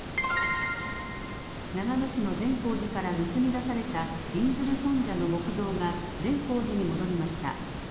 長野市の善光寺から盗み出されたびんずる尊者の木像が善光寺に戻りました。